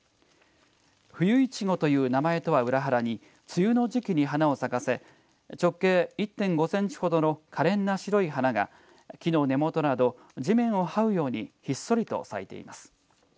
フユイチゴという名前とは裏腹に梅雨の時期に花を咲かせ直径１．５センチほどのかれんな白い花が木の根元など、地面をはうようにひっそりと咲いています。